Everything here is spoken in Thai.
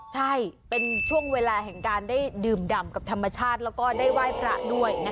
ใช่เป็นช่วงเวลาแห่งการได้ดื่มดำกับธรรมชาติแล้วก็ได้ไหว้พระด้วย